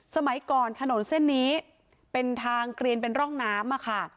สมัยก่อนถนนเส้นนี้เป็นทางเกลียนเป็นร่องน้ำค่ะ